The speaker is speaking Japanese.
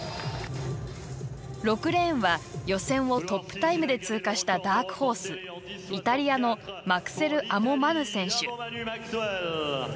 ６レーンは予選をトップタイムで通過したダークホース、イタリアのマクセルアモ・マヌ選手。